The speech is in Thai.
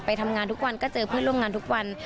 ทำงานทุกวันก็เจอเพื่อนร่วมงานทุกวัน